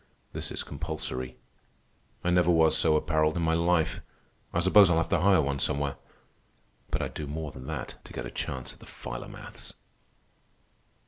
This is compulsory. I never was so apparelled in my life. I suppose I'll have to hire one somewhere. But I'd do more than that to get a chance at the Philomaths."